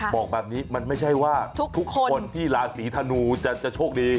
บอกแบบนี้มันไม่ใช่ว่าทุกคนที่ราศีธนูจะโชคดี